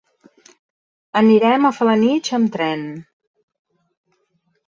Anirem a Felanitx amb tren.